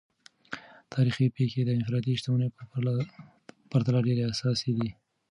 تاریخي پیښې د انفرادي شتمنیو په پرتله ډیر اساسي دي.